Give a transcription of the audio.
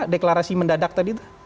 deklarasi mendadak tadi